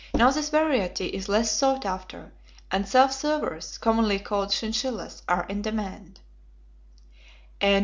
Now this variety is less sought after, and self silvers, commonly called chinchillas, are in demand."